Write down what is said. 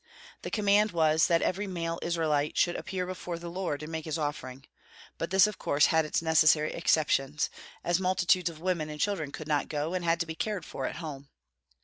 The command was that every male Israelite should "appear before the Lord" and make his offering; but this of course had its necessary exceptions, as multitudes of women and children could not go, and had to be cared for at home.